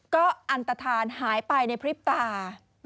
ก็อันตฐานหายไปในพริบตา